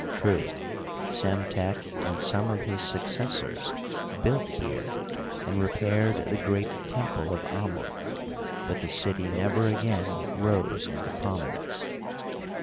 True, Psemtek and some of his suc cessors built here and repaired the great temple of Amon, but the city never again rose into prominence.